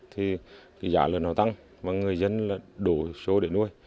thì giá lợn nó tăng và người dân đổ số để nuôi